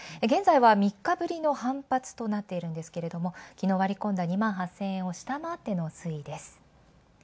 現在は３日ぶりの反発となってるんですが、昨日わりこんだ２万８０００円を下回っての推移です。